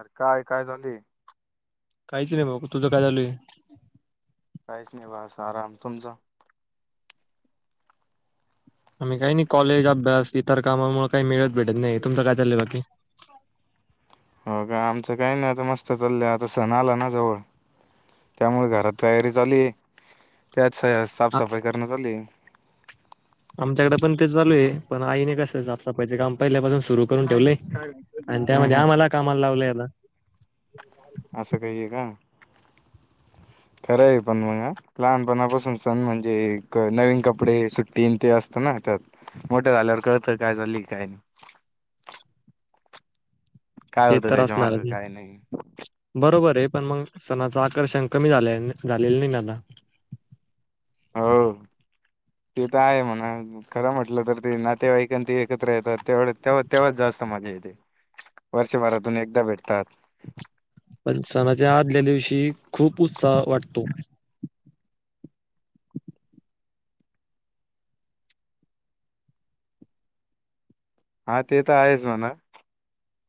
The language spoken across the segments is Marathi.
अर काय काय झालय. [inaudible] काहीच [unintelligible] तुझं काय [unintelligible] काहीच नि बा अस आराम, तुमचा? आम्ही काही नाही कॉलेज अभ्यास इतर त्यामुळ मला काही मिळत भेटत नाही तुमचं काय चाललंय बाकी? हो का आमचं काही नाही आता मस्त चाललंय. आता सण आला ना जवळ त्यामुळे घरात तयारी चालू आहे. त्यात च आ- साफसफाई करणं चाललंय. तेच चालू आहे पण आईने कस सापसाफाइचे काम पहिल्यापासून सुरु करून ठेवलंय. आणि हम्म त्यामध्ये हम्म आम्हाला कामाला लावलय [inaudible] असं काही आहे का, खरं आहे पण मग लहानपणापासून सण म्हणजे नवीन कपडे सुट्टीन ते असत ना त्यात मोठ्या झाल्यावर कळतं काय झाली काय नाही. काय ते होतं तर त्याच्या मागं असणारच, काय नाही बरोबर आहे. पण मग सणाचं आकर्षण कमी झाले झालेलं नाही ना आता. हो ते तर आहे म्हणा खरं म्हटलं तर ते नातेवाईकां ती एकत्र येतात तेवढ तेव्हा तेव्हाच जास्त मज्जा इथे वर्षभरातून एकदा भेट ता पण सनाच्या आदल्या दिवशी खूप उत्साह वाटतो हा ते तर आहेच म्हणा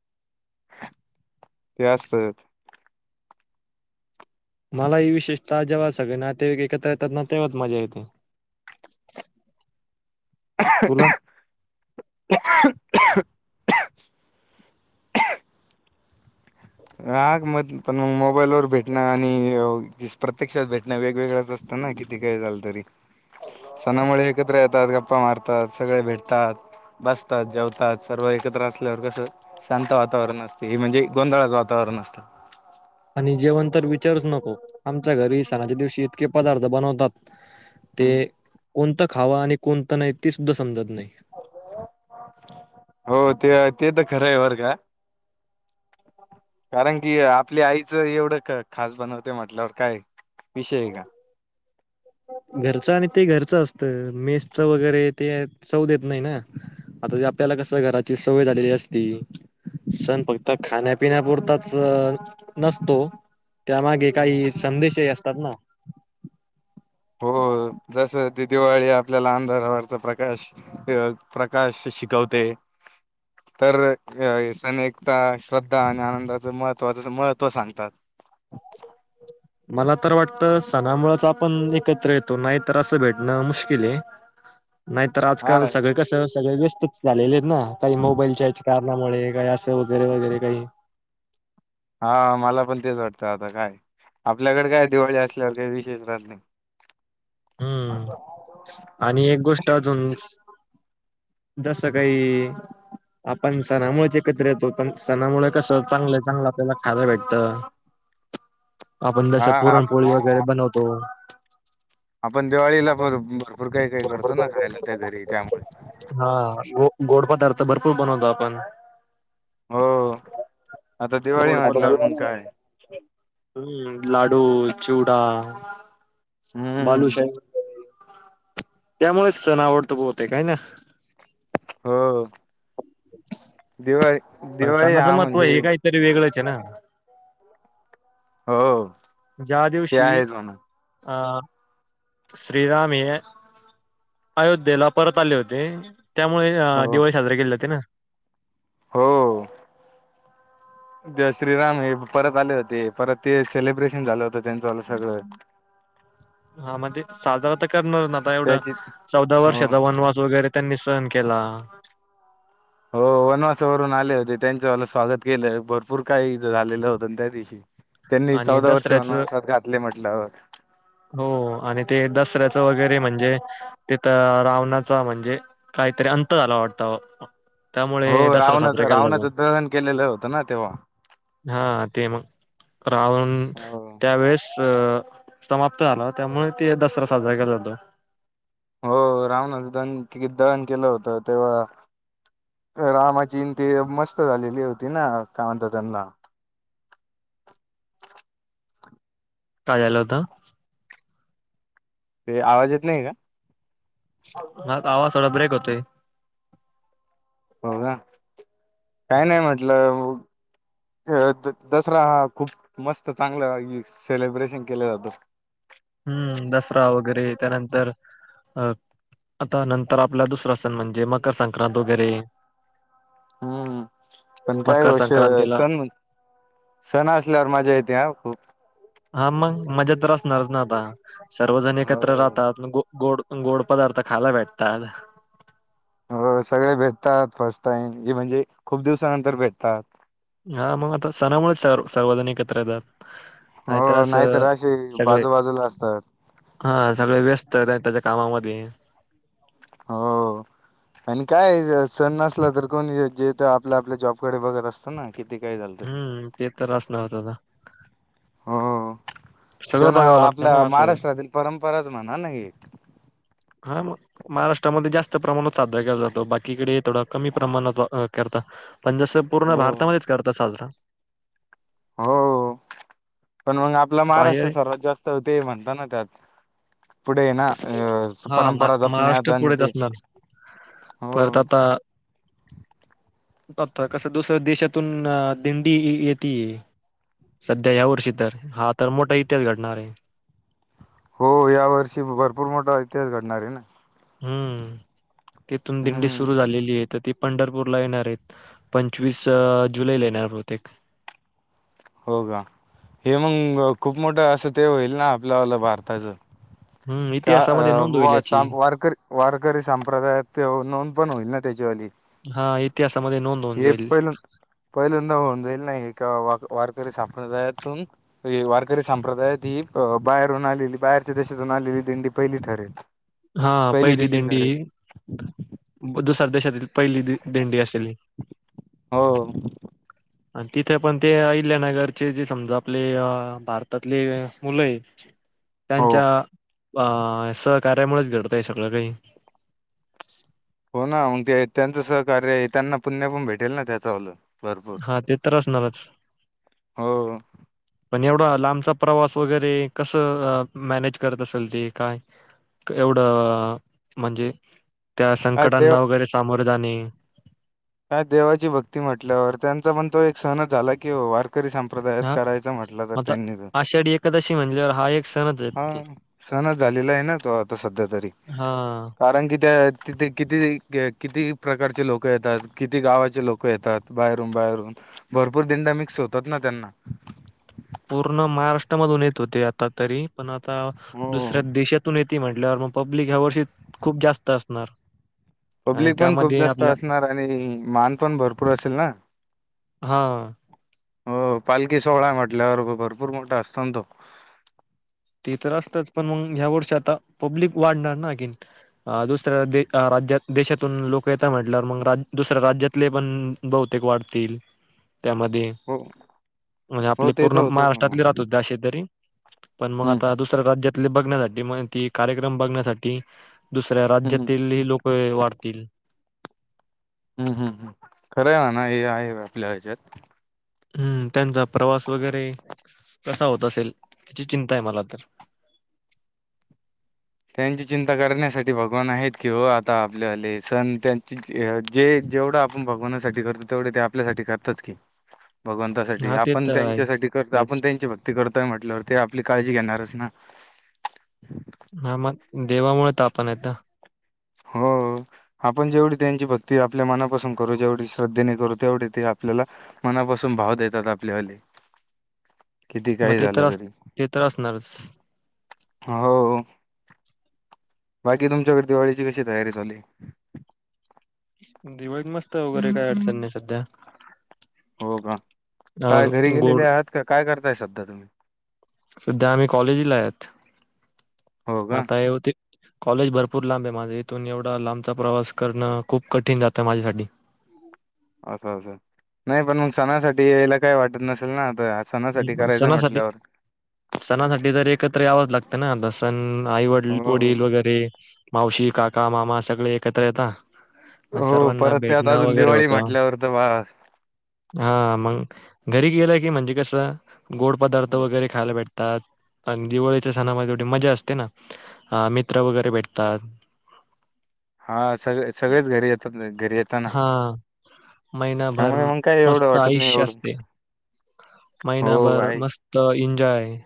[inaudible] ते असत मला ही विशेषता जेव्हा सगळे नातेवाईक एकत्र ना तेव्हाच मजा येते तुला? [unintelligible] [unintelligible] आग म पण मग मोबाईल वर भेटणं आणि प्रत्यक्षात भेटणं वेगवेगळंच असतं ना किती काही झालं तरी सणामुळे एकत्र येतात गप्पा मारतात सगळे भेटतात बसतात जेवतात सर्व एकत्र असल्यावर कसं शांत वातावरण असते हे म्हणजे गोंधळाच वा टर न असत आणि जेवण तर विचारच नको आमच्या घरी सणाच्या दिवशी इतके पदार्थ बनवतात ते कोणतं खावां आणि कोणतं नाही ते सुद्धा समजत नाही हो ते ते तर खरं आहे वर का कारण की आपल्या आईचं एवढं खास बनवते म्हटल्यावर काय विषय आहे का घरचं आणि ते घरचं असतं मेसच वगैरे ते सव देत नाही ना आता आपल्याला कसं घराची सवय आलेली असती सण फक्त खाण्यापिण्यापुरताच नसतो त्यामागे काही संदेशही असत तात ना हो जस दिवाळी आपल्याला अंधारवरवरचा प्रकाश प्रकाश शिकवते तर अ सण एकता श्रद्धा आणि आनंदाच महत्वाच महत्त्व सांगतात मला तर वाटतं सणामुळेच आपण एकत्र येतो नाही तर असं भेटणं मुश्किल आहे नाहीत तर हा आजकाल सगळे कसं सगळे वस् झाले ना काही मोबाईलच्या कारणामुळे काही असं वगैरे वगैरे काही हा मला पण तेच वाटतं आता काय आपल्याकडे काय दिवाळी असल्यावर काही विशेष राहत नाही. हम्म आणि एक गोष्ट अजून जसं काही आपण सणामुळेचे एकत्र येतो तर सणामुळे कस चांगलं चांगलं आपल्याला खायला भेटत आपण हा दश आप पुरणपोळी वगैरे बनवतो हो आपण दिवाळीला प भरपूर काही काही करतो ना खायला त्या घरी त्यामुळे हा गो गोड पदार्थ भरपूर बनवतो आपण हो आता दिवाळी गोड म्हटल्यावर पदार्थ मग काय हम्म लाडू चुवडा हम्म बालूशाहेब त्यामुळेच सण आवडतोते काय ना. हो. दिवाळी दिवाळी हा म्हणजे ज ना हो. ज्या ते दिवशी आहेच म्हणा अ श्रीराम हे अयोध्येला परत आले होते. त्यामुळे हो दिवाळी साजरी केली होती ना. हो श्रीराम हे परत आले होते परत ते सेलिब्रेशन झालं होत. त्यांलं सगळं साधारणत करणार आता एवढ त्याची चौदा हो वर्षाचा वनवास वगैरे त्यांनी सहन केला. हो वनवासावरून आले होते त्यांचं स्वागत केलं भरपूर काही झालेलं होतं त्या दिवशी त्यांनी आणि चौदा वर्ष दसऱ्याच वनवासात घातले म्हटलं हो आणि ते दसऱ्याचं वगैरे म्हणजे, तिथ रावणाचा म्हणजे काहीतरी अंत झाला वाटत. हो रावणाच रावणाच दहन केलेलं होतं ना तेव्हा? ते मग. राहून हो त्यावेेळेस अ समाप्त झाला त्यामुळे ते दसरा साजरा केला जातो. हो रावणाच दन दहन केलं होत तेव्हा रामाची ते मस्त झालेली होती ना काय म्हणतात त्यांना काय झालं होत. ते आवाज येत नाही का. म आवाज थोडा ब्रेक होतोय. हो का काही नाही म्हटलं दसरा हा खूप मस्त चांगला सेलब्रेशन केलं जातं. हम्म दसरा वगैरे त्यानंतर अ आता नंतर आपला दुसरा सण म्हणजे म मकर संक्रांत वगैरे हम्म पण मकर विषय संक्रांतीला सण सण असल्यावर मजा येते ह खूप हा मग मज्या असणारच ना आपा आता सर्वजण हो एकत्र राहतात गोड गोड पदार्थ खायला भेटतात. हो सगळे भेटतात फस्ट टार्ईम हे म्हणजे खूप दिवसानंतर भेटतात. हा मग आता सणामुळेच स सार्वजन एकत्र येतात. नाही हो तर अस नाहीतर असे सगळे बाजूबाजूला असतात हा सगळे व्यस्त राहतात. कामामध्ये. हो आणि काय सण नसला तर कोण येथ आपल्या आपल्या जॉबकडे बघत असत ना. किती काय झालं तरी हम्म ते तर असणार दादा. हो. सगळं सण हा बघावं लागतं आपल्या ना असं महाराष्ट्रातील परंपराच म्हणा ना एक. हा मग महाराष्ट्रामध्ये जास्त प्रमाणात साजरा केला जातो बाकीकडे. थोडा कमी प्रमाणात. करता पण जस पूर्ण हो भारतामध्येच करता साजरा. हो. पण मग आपला बाहेर महाराष्ट्र सर्वात जास्त होते, म्हणत ना त्यात. पुढे येना अ हा मा- परंपरा जपण्यात महाराष्ट्र आणि पुढेच ते असणार हो. बघताय कसं दुसऱ्या देशातून आ दिंडी ये येतीय, सध्या ह्या वर्षी तर हा तर मोठा इतिहास घडणार आहे. हो या वर्षी भर खूप मोठा इतिहास घडणार आहे ना. हम्म‌. तिथून दिंडी हम्म सुरु झालेली आहे तर ती. पंढरपूरला येणार आहेत, पंचवीस अ जुलैला येणार बहूतेक. हो का हे मंग खूप मोठं असं ते होईल ना आपल्याला भारताचं. हम्म का इतिहासामध्ये आ नोंद होईल वा याची. सा वारकरी वारकरी संप्रदायात नोंद पण होईल ना त्याच्यावाली. हा इतिहासामध्ये नोंद होऊन हे जाईल पहिल्या पहिल्यांदा होऊन जाईल ना हे. का वा वारकरी संप्रदायातून वारकरी संप्रदायात ही बाहेरून आलेली, बाहेरच्या देशातून आलेली दिंडी पहिली ठरेल. हा पहिली दिंडी दुसरा देशातील पहिली दिं दिंडी असेल ही. हो हो. आणि तिथे पण ते अहिल्यानगरचे जे समजा आपले भारतातले मुलय. हो त्यांच्या. बा असत. कार्यामुळेच घडत आहे सगळं काही. हो ना मग ते त्यांचं सहकार्य त्यांना पुण्या पण भेटेल ना त्याचावलं. हा ते तर असणारच. हो एवढा लांबचा प्रवास वगैरे कसं अ मॅनेज करत असेल ते काय एवढं म्हणजे. त्या काय देव संकटांना वगैरे सामोर. जाणिव. काय देवाची भक्ती म्हटल्यावर त्यांचा पण तो एक सणंच झाला कि वार. हा आता तर आषाढी एकादशी म्हणल्याजे हा एक. सणच हा आहेत की सणच झालेला आहे. ना तो आता सध्या तरी हा कारण कि त्या. किथे किती किती प्रकारचे लोक येतात किती गावाचे लोक येतात बाहेरून बाहेरून भरपूर दिंडा मिक्स होतात ना त्यांना. पूर्ण महाराष्ट्रामधून येत होते आता तरी पण. ता हो दुसऱ्या देशातून येत येते म्हटल्यावर मग पब्लिक ह्या वर्षी खूप जास्त असणार. आणि पब्लिक पण खूप त्यामध्ये जास्त आपल्या असणार आणि मान पण भरपूर असेल ना. हा हो पालखी सोहळा म्हटल्यावर भरपूर मोठा असतो ना तो. तेच ह्या वर्षी आता पब्लिक वाढणार ना दुसऱ्या राज्यात देशातून लोक याचा म्हटल्यावर म दुसऱ्या राज्यातले पण बहुतेक वाढतील. त्यामध्ये हो म्हणजे हो आपले ते पूर्ण तर होतच म्हणा महाराष्ट्रातले आता राहता हो अशे तरी. पण मग हम्म आता दुसऱ्या राज्यात. ते बघण्यासाठी म ते कार्यक्रम बघण्यासाठी. दुसऱ्या हम्म राज्यातील ह लोक वाढत तील. हम्म हम् हम् खरं आहे आहे ना हे आहे आपल्या ह्याच्यात. हम्म त्यांचा प्रवास वगैरे कसा होत असेल याची चिंता आहे मला तर. त्यांची चिंता करण्यासाठी भगवान आहेत की हो आता आपलेले सण त्यांचे जे जेवढं आपण भगवानासाठी करतो तेवढ ते आपल्यासाठी करतच की. भगवंतासाठी हा ते आपण तर आहेच त्यांच्यासाठी करतो आपण तेच त्यांची भक्ती करतोय म्हटल्यावर ते आपली काळजी घेणारच ना. हा मग देवामुळे ता आपण आहेत ना. हो आपण जेवढी त्यांची भक्ती आपल्या मनापासून करू जेवढी श्रद्धेने करू तेवढी ते आपल्याला मनापासून भाव देतात आपल्या वाले. किती मग काही ते झालं तर तरी ते तर असणारच हो. बाकी तुमच्याकडे दिवाळीची कशी तयारी चालुय? दिवाळीत मस्त वगैरे काय अडचण नाही सध्या. हो का काय घरी अ गोड गेलेले आहात का काय करताय सध्या तुम्ही? सध्या आम्ही कॉलेजला आहेत. हो का आता हे होती कॉलेज भरपूर लांब आहे माझे इथून एवढा लांबचा प्रवास करणं खूप कठीण जातय माझ्यासाठी. असं असं नाही पण मग सणासाठी यायला काय वाटत नसेल ना? आता सणासाठी करायचं सणासाठी म्हटल्यावर सणासाठी तर एकत्र यावच लागत. आदसन आई वडील हो वडील वगैरे. मावशी काका मामा सगळे एकत्र येता. मग हो सर्वांना परत त्यात भेटणं अजून वगैरे दिवाळी होतं म्हटल्यावर तर बास हा मग. घरी गेला की म्हणजे कस‌ त गोड पदार्थ वगैर खायला भेटत दिवाळीच्या सणामध्येवढी मजा असते ना अ मित्र वगैरे भेटतात. हा सगळे सगळेच घरी येतात घरी येताना हा महिनाभर त्यामुळे मग काही एवढं मस्त वाटत नाही एवढं. हो महीना भर आहे मस्त इनजॅय. काय.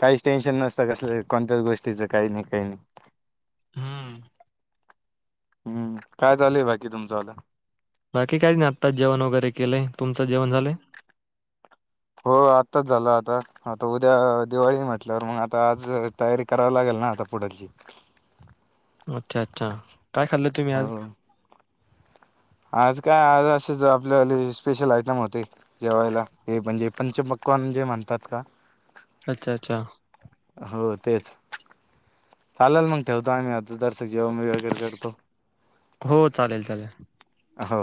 काहीच टेन्शन नसतं कसलं कोणत्याच गोष्टीचं काही नाही काही नाही. हम्म. हम्म काय चालेय बाकी तुमचं आता? बाकी काय नाताात जेवण वगैरे केलंय तुमचं जेवण झालंय? हो आत्ताच झालं आता आता उद्या दिवाळी म्हटल्यावर मग आता आज तयारी करावी लागेल ना आता पुढची. अच्छा अच्छा काय खाल्लं तुम्ही आज? हो आज काय आज असेच आपल्याले स्पेशल आयटम होते. जेवायला हे म्हणजे पंच पक्वान जे म्हणतात का. अच्छा अच्छा. हो तेच. चालेल मग ठेवतो आम्ही आता जरसक जेवण वगैरे करतो. होत चालेल चालेल. हो.